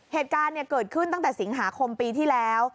เหตุการณ์เกิดขึ้นตั้งแต่สิงหาคมปีที่แล้ว